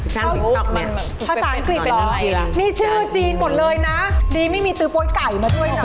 ภาษาอังกฤษเหรอนี่ชื่อจีนหมดเลยนะดีไม่มีตือโป๊ยไก่มาด้วยค่ะ